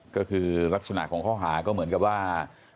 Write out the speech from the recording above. ก็คือลักษณะของข้อหาก็เหมือนกับว่า